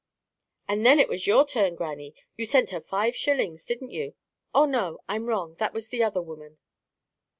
"And then it was your turn, grannie! You sent her five shillings, didn't you?—Oh no; I'm wrong. That was the other woman."